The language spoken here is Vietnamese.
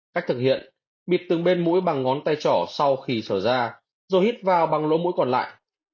cách thực hiện bịt từng bên mũi bằng ngón tay trỏ sau khi xảy ra rồi hít vào bằng lỗ mũi còn lại